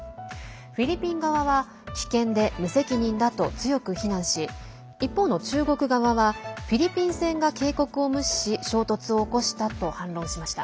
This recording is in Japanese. フィリピン側は危険で無責任だと強く非難し一方の中国側はフィリピン船が警告を無視し衝突を起こしたと反論しました。